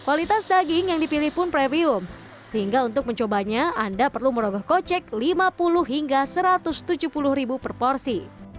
kualitas daging yang dipilih pun premium sehingga untuk mencobanya anda perlu merogoh kocek lima puluh hingga satu ratus tujuh puluh ribu per porsi